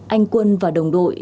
anh quân và đồng đội